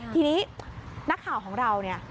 ทีนี้นักข่าวของเรา